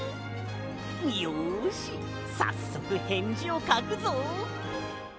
よしさっそくへんじをかくぞ！